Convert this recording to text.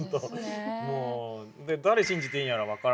もう誰信じていいんやら分からない。